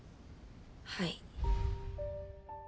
はい。